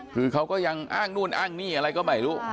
คือเขาก็ยังอ้างนู่นอ้างนี่อะไรก็ไม่รู้